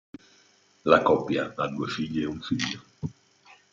La coppia ha due figlie e un figlio.